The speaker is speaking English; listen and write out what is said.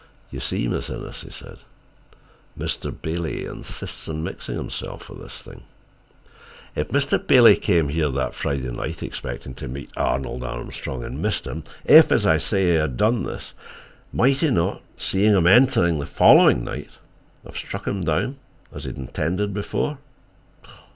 "You see, Miss Innes," he said, "Mr. Bailey insists on mixing himself with this thing. If Mr. Bailey came here that Friday night expecting to meet Arnold Armstrong, and missed him—if, as I say, he had done this, might he not, seeing him enter the following night, have struck him down, as he had intended before?"